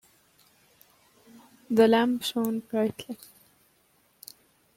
The lamp shone brightly.